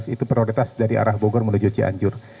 itu prioritas dari arah bogor menuju cianjur